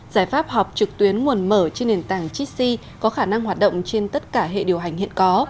giải pháp họp trực tuyến nguồn mở trên nền tảng chi có khả năng hoạt động trên tất cả hệ điều hành hiện có